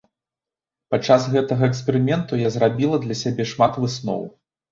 Падчас гэтага эксперыменту я зрабіла для сябе шмат высноў.